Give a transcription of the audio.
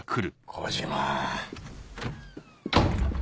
小島。